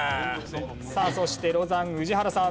さあそしてロザン宇治原さん。